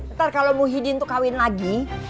ntar kalau muhyiddin untuk kawin lagi